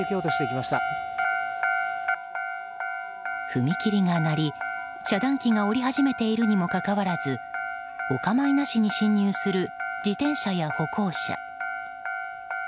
踏切が鳴り、遮断機が下り始めているにもかかわらずお構いなしに侵入する自転車や歩行者。